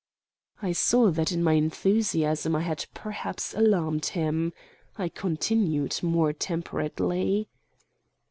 I saw that in my enthusiasm I had perhaps alarmed him. I continued more temperately.